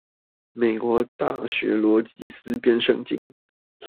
美國大學邏輯思辨聖經